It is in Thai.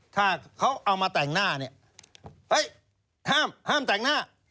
ถ้าเขาเอามาแต่งหน้าเนี่ยเฮ้ยห้ามแต่งหน้า